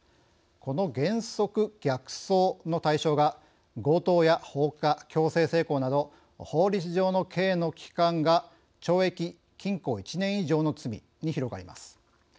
この原則逆送の対象が強盗や放火、強制性交など法律上の刑の期間が懲役・禁錮１年以上の罪に広がります。